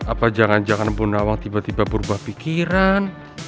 apa jangan jangan bundawang tiba tiba berubah pikiran